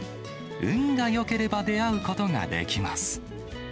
運がよければ出会うことができます。